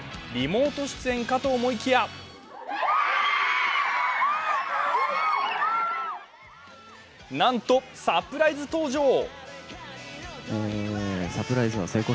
リモート出演かと思いきやなんと、サプライズ登場。